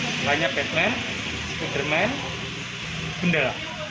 selainnya batman spiderman gundala